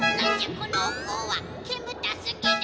このおこうは？けむたすぎる。